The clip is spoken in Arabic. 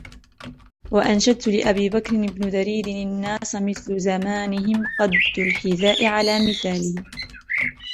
وَأَنْشَدْت لِأَبِي بَكْرِ بْنِ دُرَيْدٍ النَّاسُ مِثْلُ زَمَانِهِمْ قَدُّ الْحِذَاءِ عَلَى مِثَالِهْ